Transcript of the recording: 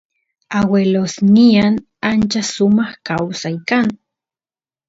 aguelosnyan ancha sumaq kawsay kan